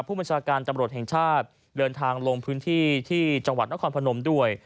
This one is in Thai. ผู้บัญชาการตำรวจแห่งชาติเดินทางลงพื้นที่ที่จังหวัดนครพนมด้วย